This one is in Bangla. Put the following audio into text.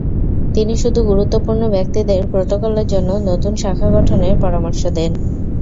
তিনি শুধু গুরুত্বপূর্ণ ব্যক্তিদের প্রটোকলের জন্য নতুন শাখা গঠনের পরামর্শ দেন।